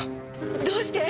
どうして？